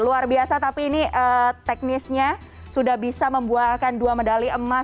luar biasa tapi ini teknisnya sudah bisa membuahkan dua medali emas